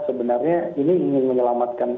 sebenarnya ini ingin menyelamatkan